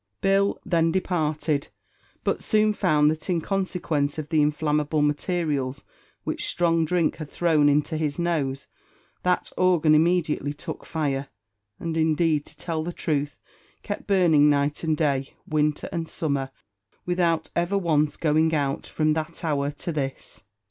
Bill then departed, but soon found that in consequence of the inflammable materials which strong drink had thrown into his nose, that organ immediately took fire, and, indeed, to tell the truth, kept burning night and day, winter and summer, without ever once going out, from that hour to this.